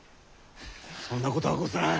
そんなことはござらん。